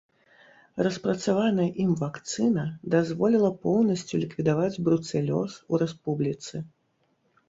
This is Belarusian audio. Распрацаваная ім вакцына дазволіла поўнасцю ліквідаваць бруцэлёз у рэспубліцы.